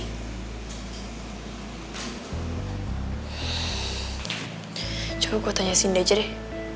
hmm coba gue tanya sinda aja deh